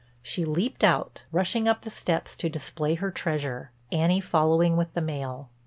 She leaped out, rushing up the steps to display her treasure, Annie following with the mail.